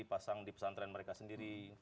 pasang di pesantren mereka sendiri